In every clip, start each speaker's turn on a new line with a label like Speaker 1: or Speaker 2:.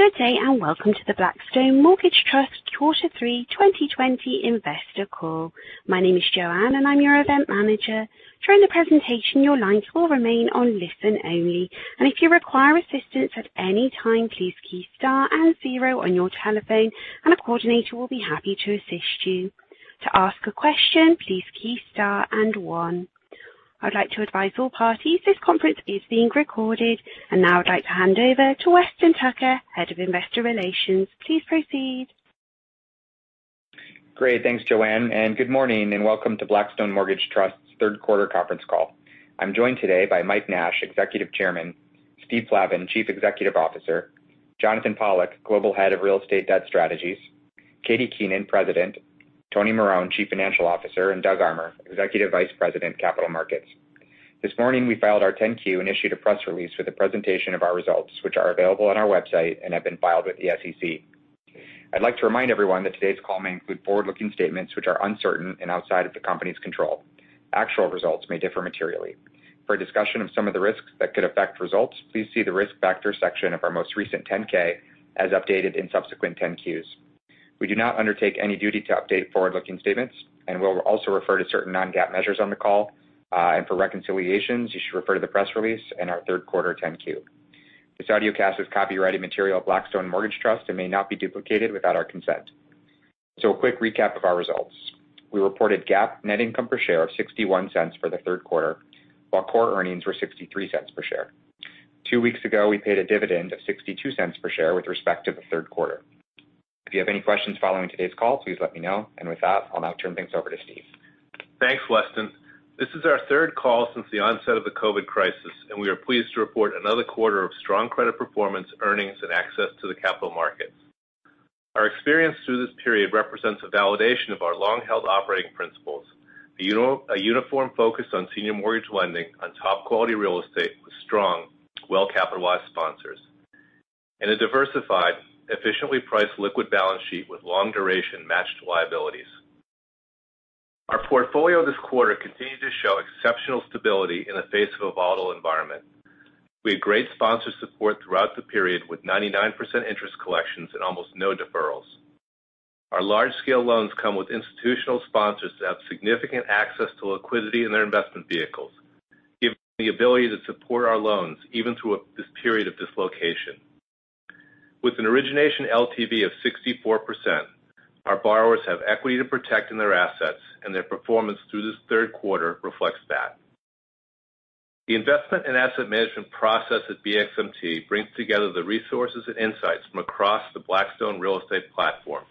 Speaker 1: Good day and welcome to the Blackstone Mortgage Trust Q3 2020 investor call. My name is Joanne and I'm your event manager. During the presentation, your lines will remain on listen-only, and if you require assistance at any time, please key star and zero on your telephone, and a coordinator will be happy to assist you. To ask a question, please key star and one. I'd like to advise all parties this conference is being recorded, and now I'd like to hand over to Weston Tucker, Head of Investor Relations. Please proceed.
Speaker 2: Great, thanks Joanne, and good morning and welcome to Blackstone Mortgage Trust's Third Quarter conference call. I'm joined today by Mike Nash, Executive Chairman, Steve Plavin, Chief Executive Officer, Jonathan Pollack, Global Head of Real Estate Debt Strategies, Katie Keenan, President, Tony Marone, Chief Financial Officer, and Doug Armer, Executive Vice President, Capital Markets. This morning we filed our 10-Q and issued a press release with a presentation of our results, which are available on our website and have been filed with the SEC. I'd like to remind everyone that today's call may include forward-looking statements which are uncertain and outside of the company's control. Actual results may differ materially. For a discussion of some of the risks that could affect results, please see the Risk Factors section of our most recent 10-K as updated in subsequent 10-Qs. We do not undertake any duty to update forward-looking statements, and we'll also refer to certain non-GAAP measures on the call, and for reconciliations you should refer to the press release and our third quarter 10-Q. This audiocast is copyrighted material of Blackstone Mortgage Trust and may not be duplicated without our consent. So, a quick recap of our results. We reported GAAP net income per share of $0.61 for the third quarter, while core earnings were $0.63 per share. Two weeks ago we paid a dividend of $0.62 per share with respect to the third quarter. If you have any questions following today's call, please let me know, and with that I'll now turn things over to Steve.
Speaker 3: Thanks Weston. This is our third call since the onset of the COVID crisis, and we are pleased to report another quarter of strong credit performance, earnings, and access to the capital markets. Our experience through this period represents a validation of our long-held operating principles, a uniform focus on senior mortgage lending on top quality real estate with strong, well-capitalized sponsors, and a diversified, efficiently priced liquid balance sheet with long-duration matched liabilities. Our portfolio this quarter continued to show exceptional stability in the face of a volatile environment. We had great sponsor support throughout the period with 99% interest collections and almost no deferrals. Our large-scale loans come with institutional sponsors that have significant access to liquidity in their investment vehicles, giving the ability to support our loans even through this period of dislocation. With an origination LTV of 64%, our borrowers have equity to protect in their assets, and their performance through this third quarter reflects that. The investment and asset management process at BXMT brings together the resources and insights from across the Blackstone Real Estate platform,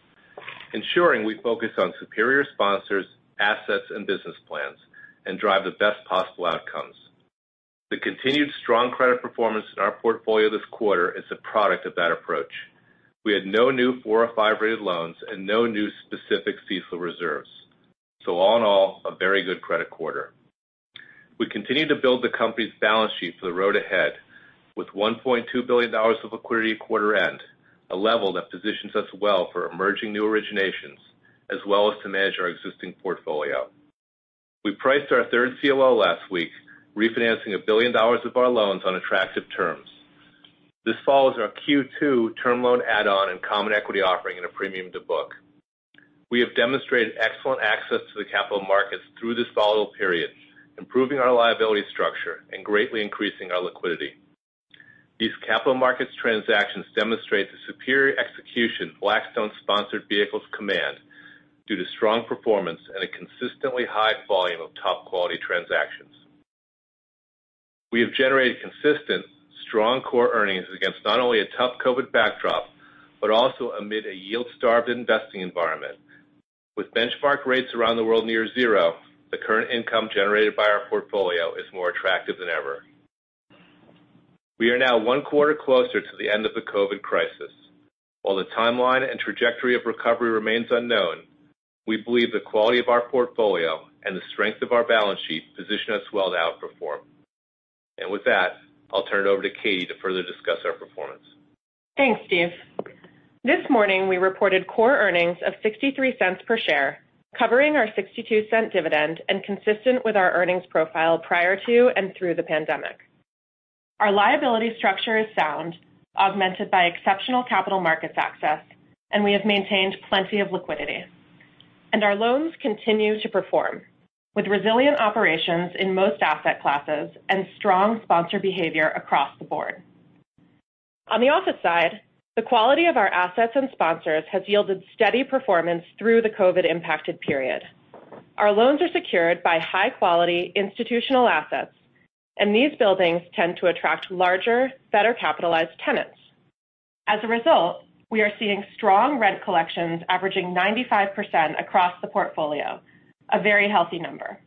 Speaker 3: ensuring we focus on superior sponsors, assets, and business plans, and drive the best possible outcomes. The continued strong credit performance in our portfolio this quarter is the product of that approach. We had no new 4 or 5 rated loans and no new specific CECL reserves, so all in all, a very good credit quarter. We continue to build the company's balance sheet for the road ahead with $1.2 billion of liquidity quarter end, a level that positions us well for emerging new originations, as well as to manage our existing portfolio. We priced our third CLO last week, refinancing $1 billion of our loans on attractive terms. This follows our Q2 term loan add-on and common equity offering in a premium to book. We have demonstrated excellent access to the capital markets through this volatile period, improving our liability structure and greatly increasing our liquidity. These capital markets transactions demonstrate the superior execution Blackstone sponsored vehicles command due to strong performance and a consistently high volume of top quality transactions. We have generated consistent, strong core earnings against not only a tough COVID backdrop but also amid a yield-starved investing environment. With benchmark rates around the world near zero, the current income generated by our portfolio is more attractive than ever. We are now one quarter closer to the end of the COVID crisis. While the timeline and trajectory of recovery remains unknown, we believe the quality of our portfolio and the strength of our balance sheet position us well to outperform. And with that, I'll turn it over to Katie to further discuss our performance.
Speaker 4: Thanks, Steve. This morning we reported core earnings of $0.63 per share, covering our $0.62 dividend and consistent with our earnings profile prior to and through the pandemic. Our liability structure is sound, augmented by exceptional capital markets access, and we have maintained plenty of liquidity. Our loans continue to perform, with resilient operations in most asset classes and strong sponsor behavior across the board. On the office side, the quality of our assets and sponsors has yielded steady performance through the COVID-impacted period. Our loans are secured by high-quality institutional assets, and these buildings tend to attract larger, better-capitalized tenants. As a result, we are seeing strong rent collections averaging 95% across the portfolio, a very healthy number.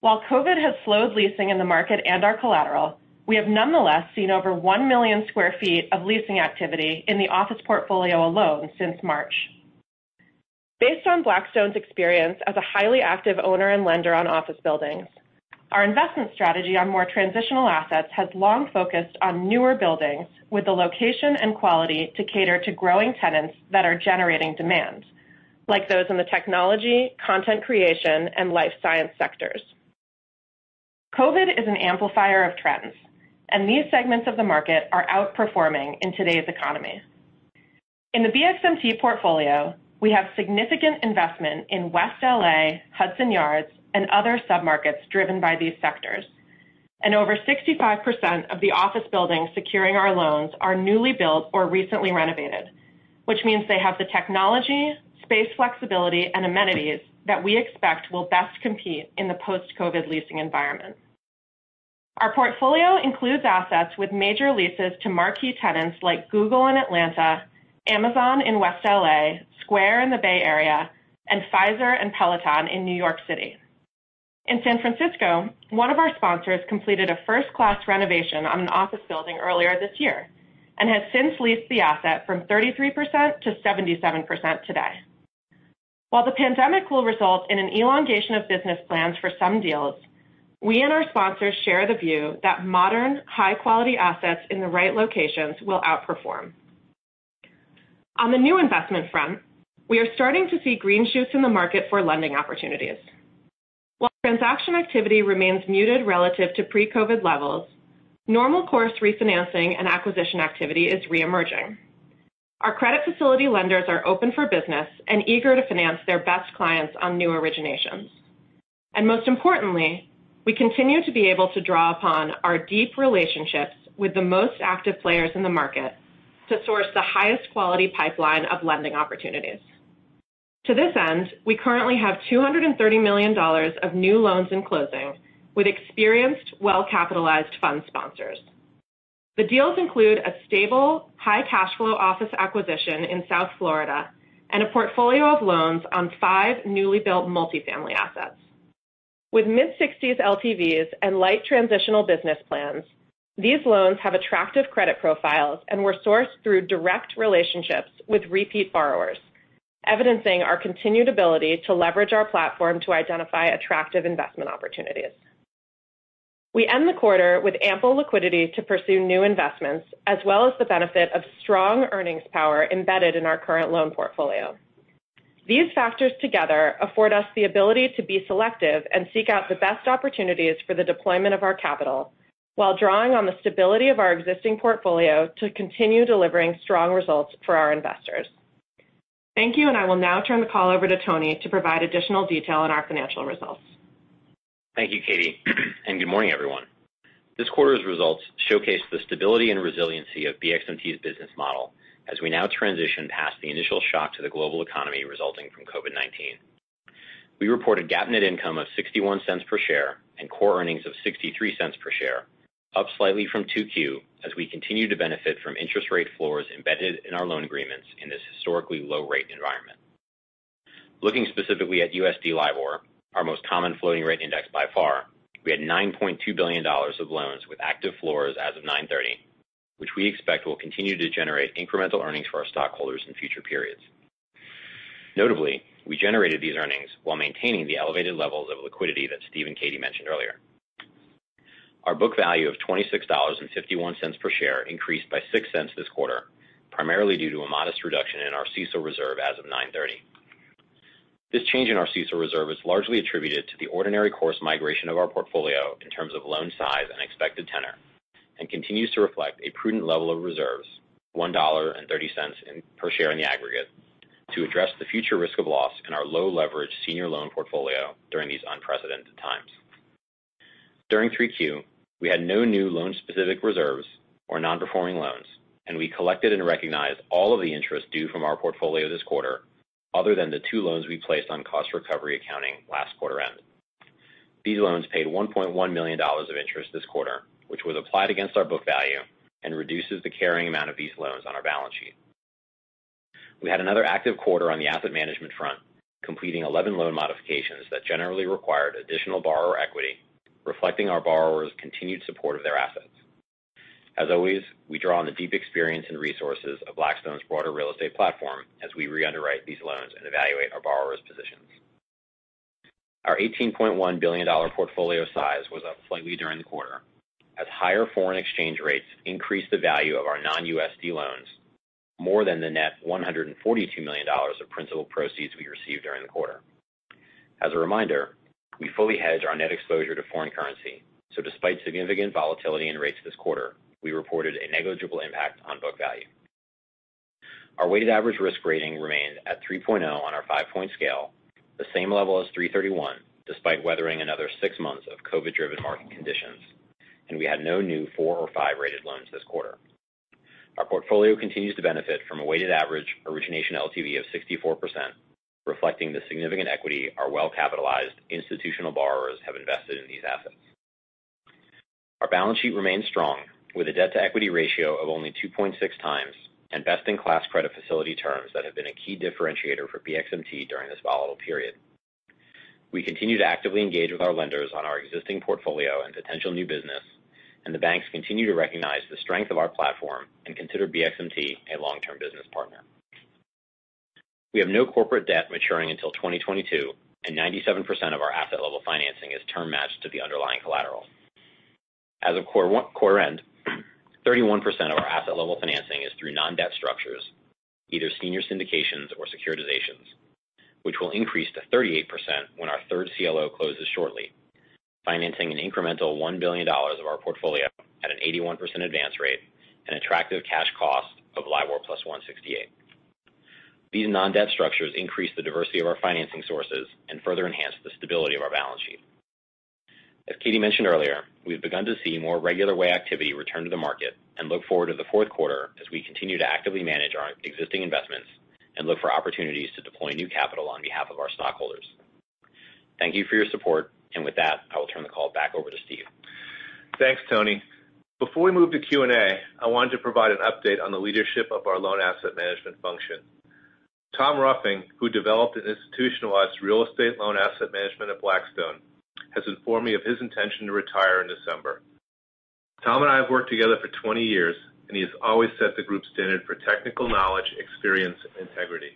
Speaker 4: While COVID has slowed leasing in the market and our collateral, we have nonetheless seen over one million square feet of leasing activity in the office portfolio alone since March. Based on Blackstone's experience as a highly active owner and lender on office buildings, our investment strategy on more transitional assets has long focused on newer buildings with the location and quality to cater to growing tenants that are generating demand, like those in the technology, content creation, and life science sectors. COVID is an amplifier of trends, and these segments of the market are outperforming in today's economy. In the BXMT portfolio, we have significant investment in West LA, Hudson Yards, and other sub-markets driven by these sectors, and over 65% of the office buildings securing our loans are newly built or recently renovated, which means they have the technology, space flexibility, and amenities that we expect will best compete in the post-COVID leasing environment. Our portfolio includes assets with major leases to marquee tenants like Google in Atlanta, Amazon in West LA, Square in the Bay Area, and Pfizer and Peloton in New York City. In San Francisco, one of our sponsors completed a first-class renovation on an office building earlier this year and has since leased the asset from 33% to 77% today. While the pandemic will result in an elongation of business plans for some deals, we and our sponsors share the view that modern, high-quality assets in the right locations will outperform. On the new investment front, we are starting to see green shoots in the market for lending opportunities. While transaction activity remains muted relative to pre-COVID levels, normal course refinancing and acquisition activity is re-emerging. Our credit facility lenders are open for business and eager to finance their best clients on new originations, and most importantly, we continue to be able to draw upon our deep relationships with the most active players in the market to source the highest quality pipeline of lending opportunities. To this end, we currently have $230 million of new loans in closing with experienced, well-capitalized fund sponsors. The deals include a stable, high cash flow office acquisition in South Florida and a portfolio of loans on five newly built multifamily assets. With mid-60s LTVs and light transitional business plans, these loans have attractive credit profiles and were sourced through direct relationships with repeat borrowers, evidencing our continued ability to leverage our platform to identify attractive investment opportunities. We end the quarter with ample liquidity to pursue new investments, as well as the benefit of strong earnings power embedded in our current loan portfolio. These factors together afford us the ability to be selective and seek out the best opportunities for the deployment of our capital, while drawing on the stability of our existing portfolio to continue delivering strong results for our investors. Thank you, and I will now turn the call over to Tony to provide additional detail on our financial results.
Speaker 5: Thank you, Katie, and good morning everyone. This quarter's results showcase the stability and resiliency of BXMT's business model as we now transition past the initial shock to the global economy resulting from COVID-19. We reported GAAP net income of $0.61 per share and core earnings of $0.63 per share, up slightly from 2Q as we continue to benefit from interest rate floors embedded in our loan agreements in this historically low-rate environment. Looking specifically at USD LIBOR, our most common floating rate index by far, we had $9.2 billion of loans with active floors as of 9/30, which we expect will continue to generate incremental earnings for our stockholders in future periods. Notably, we generated these earnings while maintaining the elevated levels of liquidity that Steve and Katie mentioned earlier. Our book value of $26.51 per share increased by $0.06 this quarter, primarily due to a modest reduction in our CECL reserve as of 9/30. This change in our CECL reserve is largely attributed to the ordinary course migration of our portfolio in terms of loan size and expected tenor, and continues to reflect a prudent level of reserves, $1.30 per share in the aggregate, to address the future risk of loss in our low-leverage senior loan portfolio during these unprecedented times. During 3Q, we had no new loan-specific reserves or non-performing loans, and we collected and recognized all of the interest due from our portfolio this quarter other than the two loans we placed on cost recovery accounting last quarter end. These loans paid $1.1 million of interest this quarter, which was applied against our book value and reduces the carrying amount of these loans on our balance sheet. We had another active quarter on the asset management front, completing 11 loan modifications that generally required additional borrower equity, reflecting our borrowers' continued support of their assets. As always, we draw on the deep experience and resources of Blackstone's broader real estate platform as we re-underwrite these loans and evaluate our borrowers' positions. Our $18.1 billion portfolio size was up slightly during the quarter as higher foreign exchange rates increased the value of our non-USD loans more than the net $142 million of principal proceeds we received during the quarter. As a reminder, we fully hedged our net exposure to foreign currency, so despite significant volatility in rates this quarter, we reported a negligible impact on book value. Our weighted average risk rating remained at 3.0 on our five-point scale, the same level as 3/31 despite weathering another six months of COVID-driven market conditions, and we had no new four or five rated loans this quarter. Our portfolio continues to benefit from a weighted average origination LTV of 64%, reflecting the significant equity our well-capitalized institutional borrowers have invested in these assets. Our balance sheet remains strong, with a debt-to-equity ratio of only 2.6 times and best-in-class credit facility terms that have been a key differentiator for BXMT during this volatile period. We continue to actively engage with our lenders on our existing portfolio and potential new business, and the banks continue to recognize the strength of our platform and consider BXMT a long-term business partner. We have no corporate debt maturing until 2022, and 97% of our asset-level financing is term matched to the underlying collateral. As of quarter end, 31% of our asset-level financing is through non-debt structures, either senior syndications or securitizations, which will increase to 38% when our third CLO closes shortly, financing an incremental $1 billion of our portfolio at an 81% advance rate and attractive cash cost of LIBOR plus 1.68. These non-debt structures increase the diversity of our financing sources and further enhance the stability of our balance sheet. As Katie mentioned earlier, we've begun to see more regular-way activity return to the market and look forward to the fourth quarter as we continue to actively manage our existing investments and look for opportunities to deploy new capital on behalf of our stockholders. Thank you for your support, and with that, I will turn the call back over to Steve.
Speaker 3: Thanks, Tony. Before we move to Q&A, I wanted to provide an update on the leadership of our loan asset management function. Tom Ruffing, who developed and institutionalized real estate loan asset management at Blackstone, has informed me of his intention to retire in December. Tom and I have worked together for 20 years, and he has always set the group standard for technical knowledge, experience, and integrity.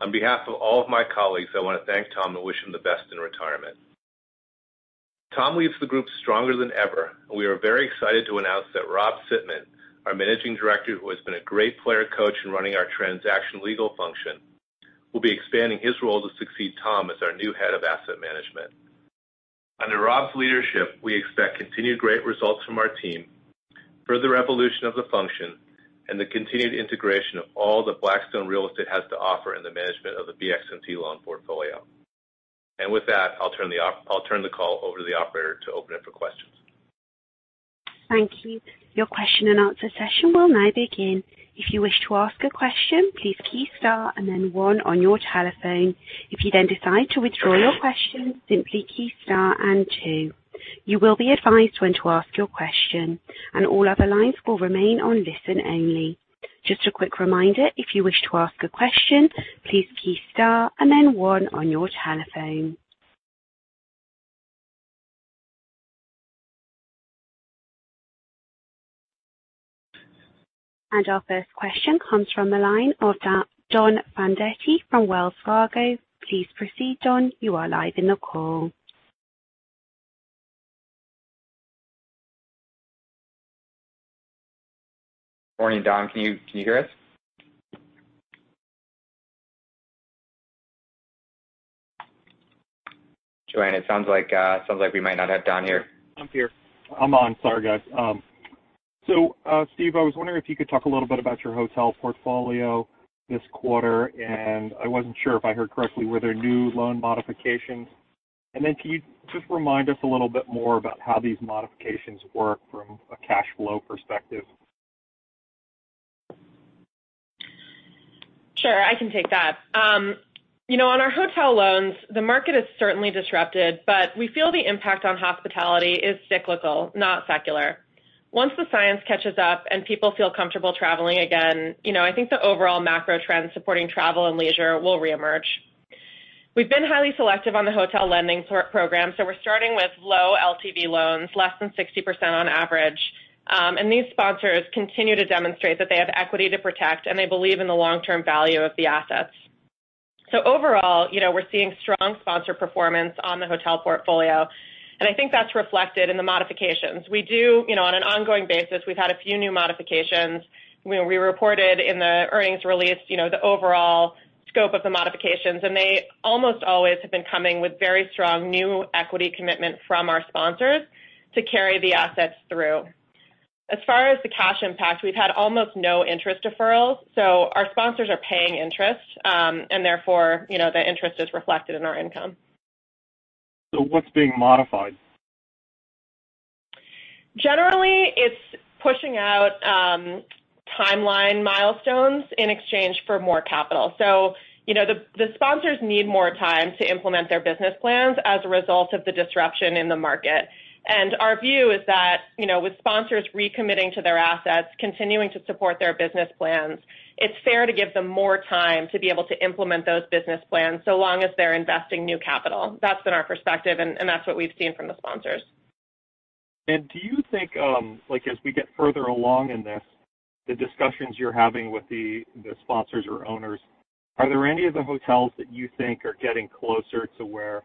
Speaker 3: On behalf of all of my colleagues, I want to thank Tom and wish him the best in retirement. Tom leaves the group stronger than ever, and we are very excited to announce that Rob Sitman, our Managing Director, who has been a great player coach in running our transaction legal function, will be expanding his role to succeed Tom as our new Head of Asset Management. Under Rob's leadership, we expect continued great results from our team, further evolution of the function, and the continued integration of all that Blackstone Real Estate has to offer in the management of the BXMT loan portfolio, and with that, I'll turn the call over to the operator to open it for questions.
Speaker 1: Thank you. Your question and answer session will now begin. If you wish to ask a question, please key star and then one on your telephone. If you then decide to withdraw your question, simply key star and two. You will be advised when to ask your question, and all other lines will remain on listen only. Just a quick reminder, if you wish to ask a question, please key star and then one on your telephone. And our first question comes from the line of Don Fandetti from Wells Fargo. Please proceed, Don. You are live in the call.
Speaker 3: Morning, Don. Can you hear us? Joanne, it sounds like we might not have Don here.
Speaker 6: I'm here. I'm on. Sorry, guys, so Steve, I was wondering if you could talk a little bit about your hotel portfolio this quarter, and I wasn't sure if I heard correctly. Were there new loan modifications, and then can you just remind us a little bit more about how these modifications work from a cash flow perspective?
Speaker 4: Sure, I can take that. On our hotel loans, the market is certainly disrupted, but we feel the impact on hospitality is cyclical, not secular. Once the science catches up and people feel comfortable traveling again, I think the overall macro trend supporting travel and leisure will re-emerge. We've been highly selective on the hotel lending program, so we're starting with low LTV loans, less than 60% on average, and these sponsors continue to demonstrate that they have equity to protect and they believe in the long-term value of the assets. So overall, we're seeing strong sponsor performance on the hotel portfolio, and I think that's reflected in the modifications. On an ongoing basis, we've had a few new modifications. We reported in the earnings release the overall scope of the modifications, and they almost always have been coming with very strong new equity commitment from our sponsors to carry the assets through. As far as the cash impact, we've had almost no interest deferrals, so our sponsors are paying interest, and therefore the interest is reflected in our income.
Speaker 6: What's being modified?
Speaker 4: Generally, it's pushing out timeline milestones in exchange for more capital. So the sponsors need more time to implement their business plans as a result of the disruption in the market. And our view is that with sponsors recommitting to their assets, continuing to support their business plans, it's fair to give them more time to be able to implement those business plans so long as they're investing new capital. That's been our perspective, and that's what we've seen from the sponsors.
Speaker 6: Do you think, as we get further along in this, the discussions you're having with the sponsors or owners, are there any of the hotels that you think are getting closer to where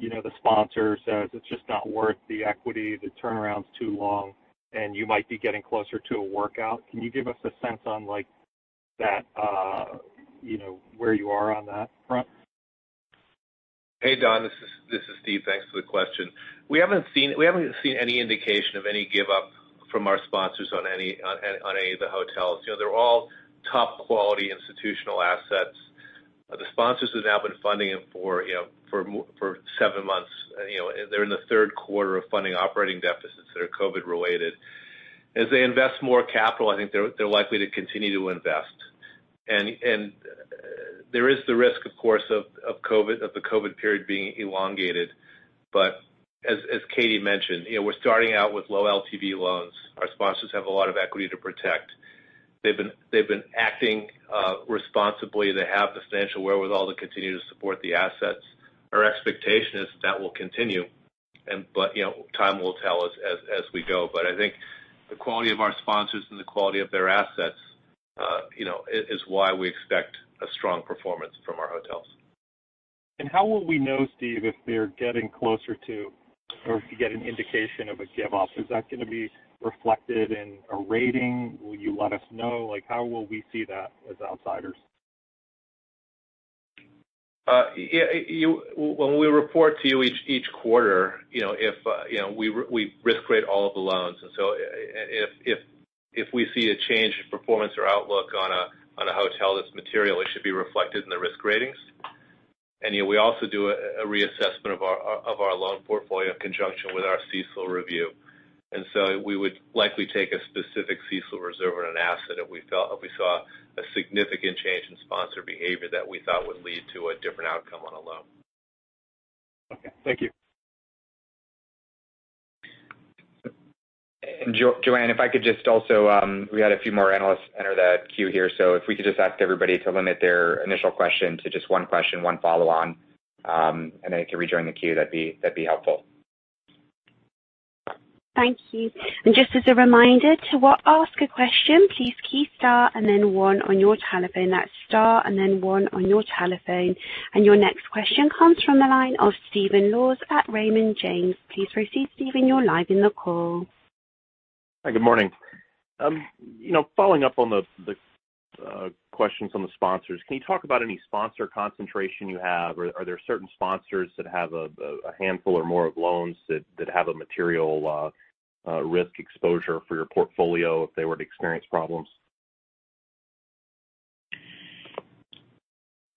Speaker 6: the sponsor says, "It's just not worth the equity, the turnaround's too long," and you might be getting closer to a workout? Can you give us a sense on where you are on that front?
Speaker 3: Hey, Don. This is Steve. Thanks for the question. We haven't seen any indication of any give-up from our sponsors on any of the hotels. They're all top-quality institutional assets. The sponsors have now been funding it for seven months. They're in the third quarter of funding operating deficits that are COVID-related. As they invest more capital, I think they're likely to continue to invest. And there is the risk, of course, of the COVID period being elongated, but as Katie mentioned, we're starting out with low LTV loans. Our sponsors have a lot of equity to protect. They've been acting responsibly. They have the financial wherewithal to continue to support the assets. Our expectation is that will continue, but time will tell as we go. But I think the quality of our sponsors and the quality of their assets is why we expect a strong performance from our hotels.
Speaker 6: How will we know, Steve, if they're getting closer to or if you get an indication of a give-up? Is that going to be reflected in a rating? Will you let us know? How will we see that as outsiders?
Speaker 3: Yeah. When we report to you each quarter, we risk-grade all of the loans, and so if we see a change in performance or outlook on a hotel that's material, it should be reflected in the risk ratings, and we also do a reassessment of our loan portfolio in conjunction with our CECL review, and so we would likely take a specific CECL reserve on an asset if we saw a significant change in sponsor behavior that we thought would lead to a different outcome on a loan.
Speaker 6: Okay. Thank you.
Speaker 3: Joanne, if I could just also we had a few more analysts enter that queue here, so if we could just ask everybody to limit their initial question to just one question, one follow-on, and then they can rejoin the queue, that'd be helpful.
Speaker 1: Thank you. And just as a reminder, to ask a question, please key star and then one on your telephone. That's star and then one on your telephone. And your next question comes from the line of Stephen Laws at Raymond James. Please proceed, Stephen. You're live in the call.
Speaker 7: Hi, good morning. Following up on the questions on the sponsors, can you talk about any sponsor concentration you have? Are there certain sponsors that have a handful or more of loans that have a material risk exposure for your portfolio if they were to experience problems?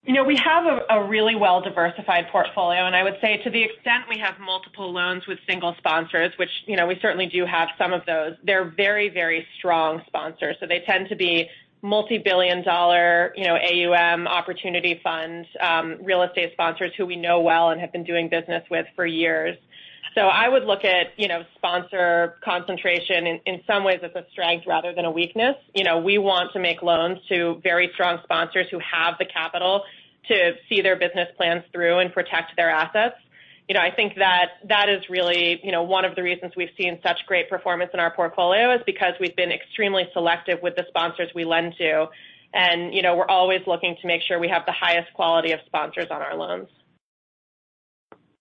Speaker 4: We have a really well-diversified portfolio, and I would say to the extent we have multiple loans with single sponsors, which we certainly do have some of those, they're very, very strong sponsors. So they tend to be multi-billion dollar AUM opportunity fund real estate sponsors who we know well and have been doing business with for years. So I would look at sponsor concentration in some ways as a strength rather than a weakness. We want to make loans to very strong sponsors who have the capital to see their business plans through and protect their assets. I think that that is really one of the reasons we've seen such great performance in our portfolio, because we've been extremely selective with the sponsors we lend to, and we're always looking to make sure we have the highest quality of sponsors on our loans.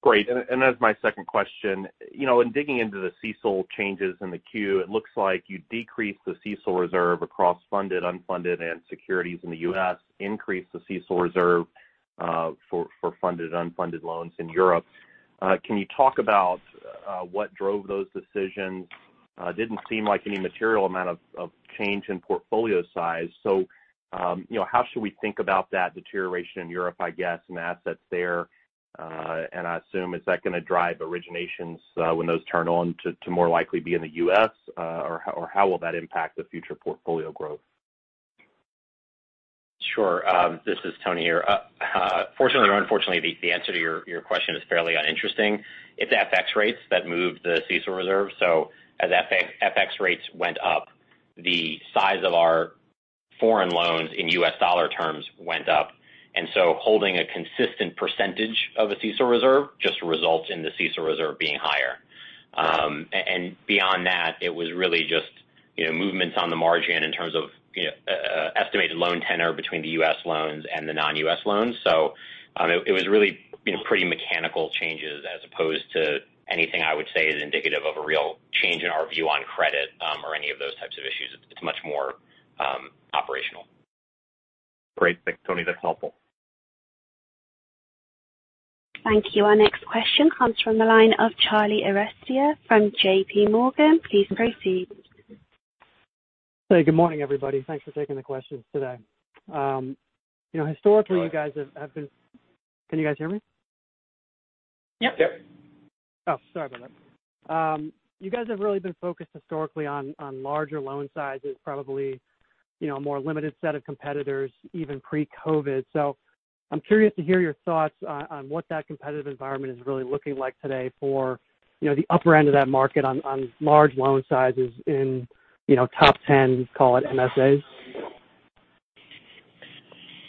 Speaker 7: Great. And as my second question, in digging into the CECL changes in the Q, it looks like you decreased the CECL reserve across funded, unfunded, and securities in the US, increased the CECL reserve for funded and unfunded loans in Europe. Can you talk about what drove those decisions? Didn't seem like any material amount of change in portfolio size. So how should we think about that deterioration in Europe, I guess, and assets there? And I assume, is that going to drive originations when those turn on to more likely be in the US, or how will that impact the future portfolio growth?
Speaker 5: Sure. This is Tony here. Fortunately or unfortunately, the answer to your question is fairly uninteresting. It's FX rates that moved the CECL reserve, so as FX rates went up, the size of our foreign loans in US dollar terms went up, and so holding a consistent percentage of a CECL reserve just results in the CECL reserve being higher, and beyond that, it was really just movements on the margin in terms of estimated loan tenor between the US loans and the non-US loans, so it was really pretty mechanical changes as opposed to anything I would say is indicative of a real change in our view on credit or any of those types of issues. It's much more operational.
Speaker 7: Great. Thanks, Tony. That's helpful.
Speaker 1: Thank you. Our next question comes from the line of Charlie Arestia from J.P. Morgan. Please proceed.
Speaker 8: Hey, good morning, everybody. Thanks for taking the questions today. Historically, you guys have been. Can you guys hear me?
Speaker 4: Yep.
Speaker 5: Yep.
Speaker 8: Oh, sorry about that. You guys have really been focused historically on larger loan sizes, probably a more limited set of competitors even pre-COVID. So I'm curious to hear your thoughts on what that competitive environment is really looking like today for the upper end of that market on large loan sizes in top 10, call it MSAs.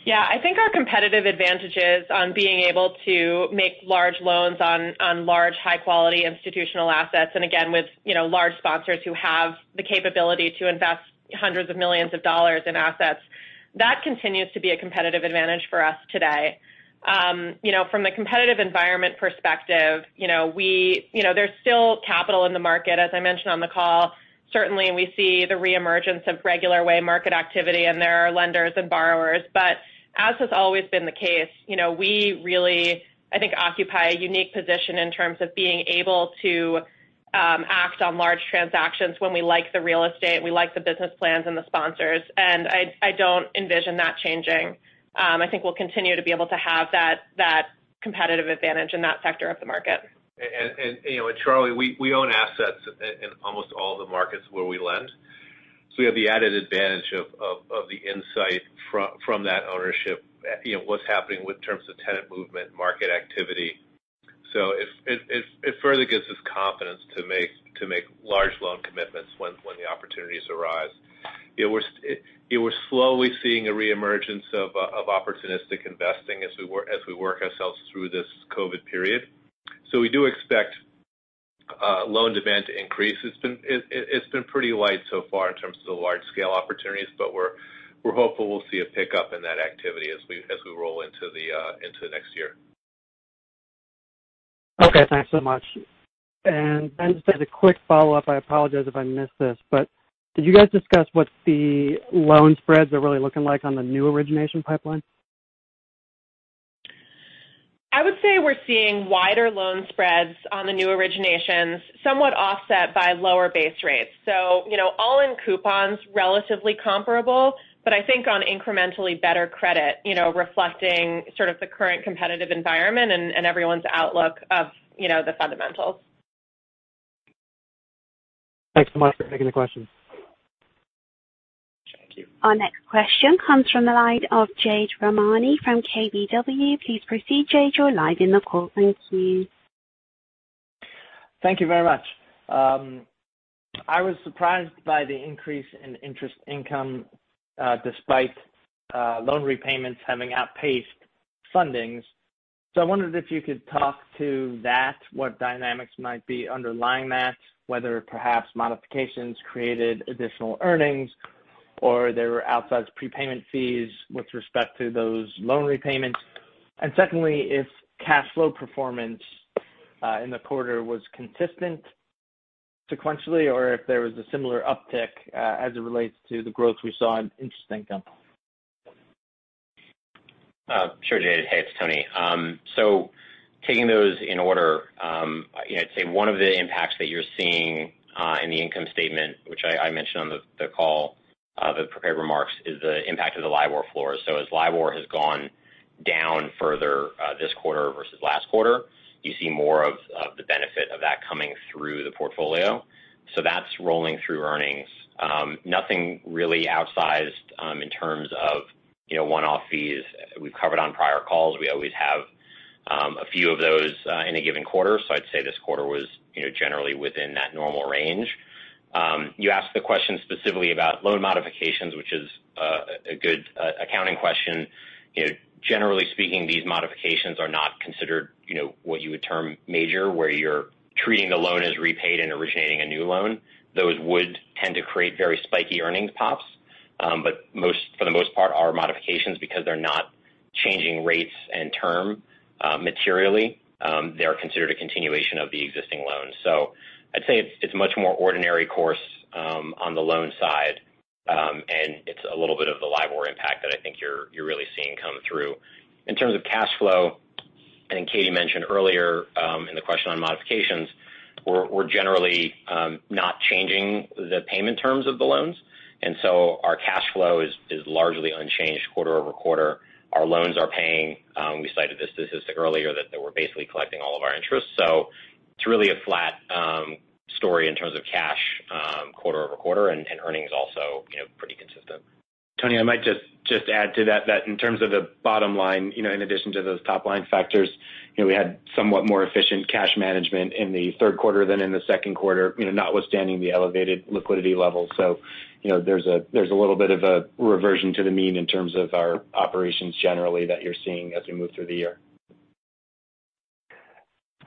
Speaker 4: Yeah. I think our competitive advantages on being able to make large loans on large, high-quality institutional assets, and again, with large sponsors who have the capability to invest hundreds of millions of dollars in assets, that continues to be a competitive advantage for us today. From the competitive environment perspective, there's still capital in the market, as I mentioned on the call. Certainly, we see the re-emergence of regular way market activity, and there are lenders and borrowers. But as has always been the case, we really, I think, occupy a unique position in terms of being able to act on large transactions when we like the real estate, and we like the business plans and the sponsors. And I don't envision that changing. I think we'll continue to be able to have that competitive advantage in that sector of the market.
Speaker 5: Charlie, we own assets in almost all the markets where we lend. So we have the added advantage of the insight from that ownership, what's happening in terms of tenant movement, market activity. So it further gives us confidence to make large loan commitments when the opportunities arise. We're slowly seeing a re-emergence of opportunistic investing as we work ourselves through this COVID period. So we do expect loan demand to increase. It's been pretty light so far in terms of the large-scale opportunities, but we're hopeful we'll see a pickup in that activity as we roll into next year.
Speaker 8: Okay. Thanks so much, and just as a quick follow-up, I apologize if I missed this, but did you guys discuss what the loan spreads are really looking like on the new origination pipeline?
Speaker 4: I would say we're seeing wider loan spreads on the new originations, somewhat offset by lower base rates, so all in coupons, relatively comparable, but I think on incrementally better credit, reflecting sort of the current competitive environment and everyone's outlook of the fundamentals.
Speaker 8: Thanks so much for taking the questions.
Speaker 1: Thank you. Our next question comes from the line of Jade Rahmani from KBW. Please proceed, Jade. You're live in the call. Thank you.
Speaker 9: Thank you very much. I was surprised by the increase in interest income despite loan repayments having outpaced fundings. So I wondered if you could talk to that, what dynamics might be underlying that, whether perhaps modifications created additional earnings or there were outsized prepayment fees with respect to those loan repayments? And secondly, if cash flow performance in the quarter was consistent sequentially or if there was a similar uptick as it relates to the growth we saw in interest income?
Speaker 5: Sure, Jade. Hey, it's Tony. So taking those in order, I'd say one of the impacts that you're seeing in the income statement, which I mentioned on the call, the prepared remarks, is the impact of the LIBOR floor. So as LIBOR has gone down further this quarter versus last quarter, you see more of the benefit of that coming through the portfolio. So that's rolling through earnings. Nothing really outsized in terms of one-off fees. We've covered on prior calls. We always have a few of those in a given quarter. So I'd say this quarter was generally within that normal range. You asked the question specifically about loan modifications, which is a good accounting question. Generally speaking, these modifications are not considered what you would term major, where you're treating the loan as repaid and originating a new loan. Those would tend to create very spiky earnings pops. But for the most part, our modifications, because they're not changing rates and term materially, they're considered a continuation of the existing loan. So I'd say it's much more ordinary course on the loan side, and it's a little bit of the LIBOR impact that I think you're really seeing come through. In terms of cash flow, I think Katie mentioned earlier in the question on modifications, we're generally not changing the payment terms of the loans. And so our cash flow is largely unchanged quarter over quarter. Our loans are paying. We cited this statistic earlier that we're basically collecting all of our interest. So it's really a flat story in terms of cash quarter over quarter, and earnings also pretty consistent.
Speaker 3: Tony, I might just add to that that in terms of the bottom line, in addition to those top-line factors, we had somewhat more efficient cash management in the third quarter than in the second quarter, notwithstanding the elevated liquidity levels. So there's a little bit of a reversion to the mean in terms of our operations generally that you're seeing as we move through the year.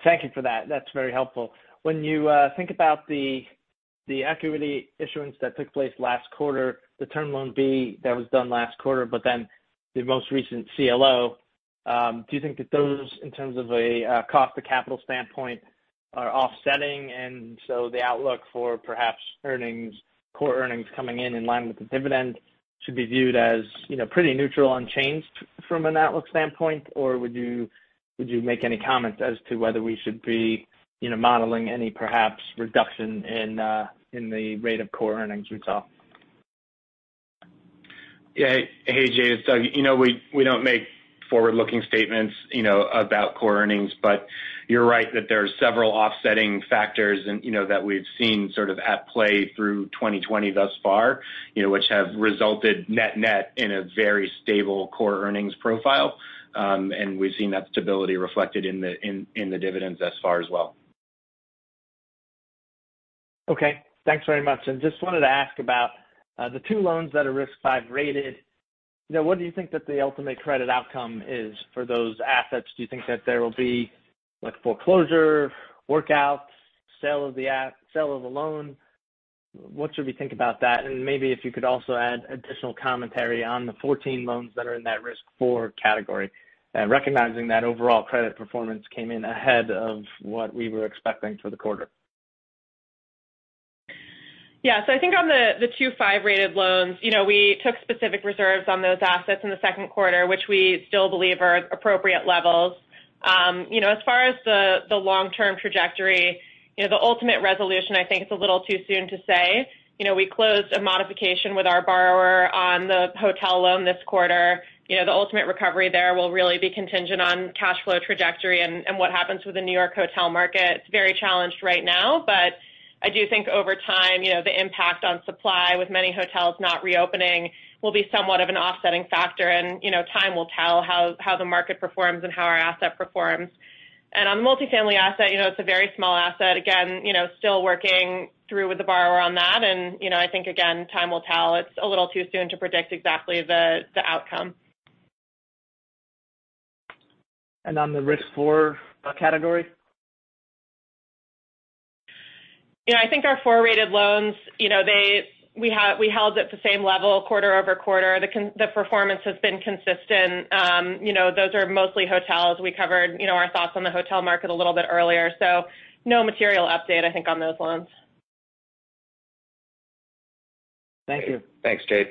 Speaker 10: Thank you for that. That's very helpful. When you think about the equity issuance that took place last quarter, the Term Loan B that was done last quarter, but then the most recent CLO, do you think that those, in terms of a cost-to-capital standpoint, are offsetting? And so the outlook for perhaps earnings, core earnings coming in in line with the dividend, should be viewed as pretty neutral, unchanged from an outlook standpoint? Or would you make any comments as to whether we should be modeling any perhaps reduction in the rate of core earnings we saw?
Speaker 5: Yeah. Hey, Jade. We don't make forward-looking statements about core earnings, but you're right that there are several offsetting factors that we've seen sort of at play through 2020 thus far, which have resulted net-net in a very stable core earnings profile, and we've seen that stability reflected in the dividends thus far as well.
Speaker 8: Okay. Thanks very much. And just wanted to ask about the two loans that are risk five rated. What do you think that the ultimate credit outcome is for those assets? Do you think that there will be foreclosure, workout, sale of the loan? What should we think about that? And maybe if you could also add additional commentary on the 14 loans that are in that risk four category, recognizing that overall credit performance came in ahead of what we were expecting for the quarter.
Speaker 4: Yeah. So I think on the two five-rated loans, we took specific reserves on those assets in the second quarter, which we still believe are appropriate levels. As far as the long-term trajectory, the ultimate resolution, I think it's a little too soon to say. We closed a modification with our borrower on the hotel loan this quarter. The ultimate recovery there will really be contingent on cash flow trajectory and what happens with the New York hotel market. It's very challenged right now, but I do think over time, the impact on supply with many hotels not reopening will be somewhat of an offsetting factor. And time will tell how the market performs and how our asset performs. And on the multifamily asset, it's a very small asset. Again, still working through with the borrower on that. And I think, again, time will tell. It's a little too soon to predict exactly the outcome.
Speaker 8: On the risk four category?
Speaker 4: I think our four-rated loans, we held at the same level quarter over quarter. The performance has been consistent. Those are mostly hotels. We covered our thoughts on the hotel market a little bit earlier. So no material update, I think, on those loans.
Speaker 10: Thank you.
Speaker 5: Thanks, Jade.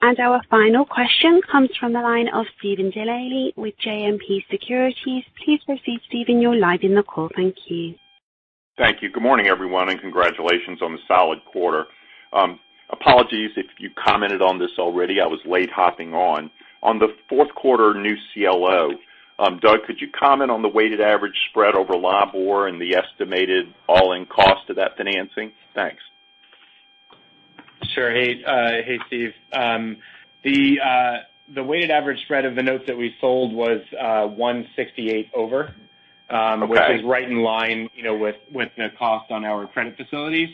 Speaker 1: And our final question comes from the line of Steven Delaney with JMP Securities. Please proceed, Stephen. You're live in the call. Thank you.
Speaker 11: Thank you. Good morning, everyone, and congratulations on the solid quarter. Apologies if you commented on this already. I was late hopping on. On the fourth quarter new CLO, Doug, could you comment on the weighted average spread over LIBOR and the estimated all-in cost of that financing? Thanks.
Speaker 12: Sure. Hey, Steve. The weighted average spread of the notes that we sold was 168 over, which is right in line with the cost on our credit facilities.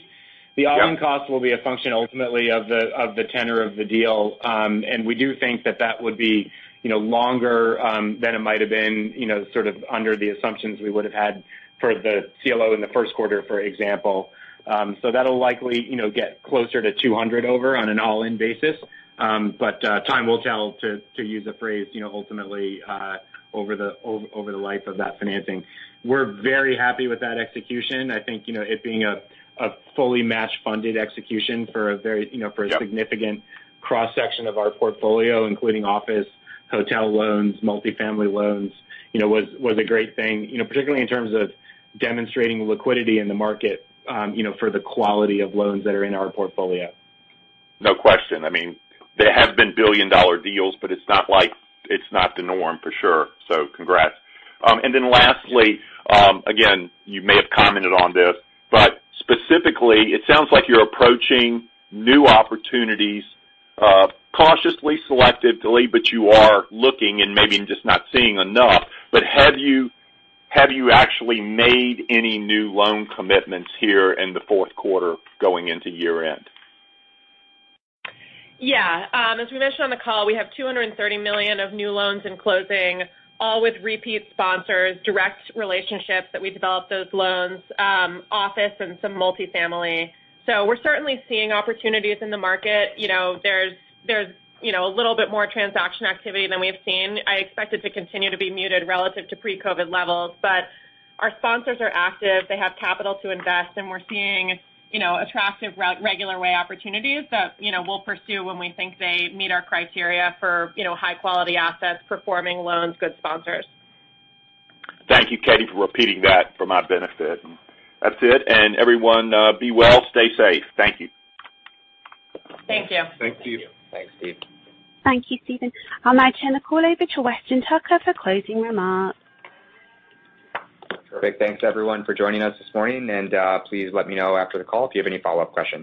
Speaker 12: The all-in cost will be a function ultimately of the tenor of the deal. And we do think that that would be longer than it might have been sort of under the assumptions we would have had for the CLO in the first quarter, for example. So that'll likely get closer to 200 over on an all-in basis. But time will tell, to use a phrase, ultimately over the life of that financing. We're very happy with that execution. I think it being a fully matched funded execution for a very significant cross-section of our portfolio, including office, hotel loans, multifamily loans, was a great thing, particularly in terms of demonstrating liquidity in the market for the quality of loans that are in our portfolio.
Speaker 11: No question. I mean, there have been billion-dollar deals, but it's not the norm for sure. So congrats. And then lastly, again, you may have commented on this, but specifically, it sounds like you're approaching new opportunities cautiously, selectively, but you are looking and maybe just not seeing enough. But have you actually made any new loan commitments here in the fourth quarter going into year-end?
Speaker 4: Yeah. As we mentioned on the call, we have $230 million of new loans in closing, all with repeat sponsors, direct relationships that we developed those loans, office, and some multifamily. So we're certainly seeing opportunities in the market. There's a little bit more transaction activity than we've seen. I expect it to continue to be muted relative to pre-COVID levels. But our sponsors are active. They have capital to invest. And we're seeing attractive regular way opportunities that we'll pursue when we think they meet our criteria for high-quality assets, performing loans, good sponsors.
Speaker 11: Thank you, Katie, for repeating that for my benefit. That's it, and everyone, be well, stay safe. Thank you.
Speaker 4: Thank you.
Speaker 3: Thank you.
Speaker 5: Thanks, Steve.
Speaker 1: Thank you, Stephen. I'll now turn the call over to Weston Tucker for closing remarks.
Speaker 3: Terrific. Thanks, everyone, for joining us this morning. And please let me know after the call if you have any follow-up questions.